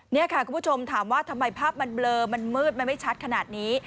นี่ค่ะคุณผู้ชมถามว่าทำไมภาพมันเบลอมันมืดมันไม่ชัดขนาดนี้